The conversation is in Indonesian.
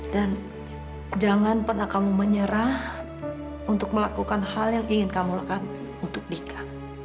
dan jangan pernah kamu menyerah untuk melakukan hal yang ingin kamu lakukan untuk dika